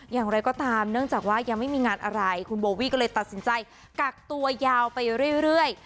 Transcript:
อย่างไรก็ตามเนื่องจากว่ายังไม่มีงานอะไรคุณโบวี่ก็เลยตัดสินใจกักตัวยาวไปเรื่อย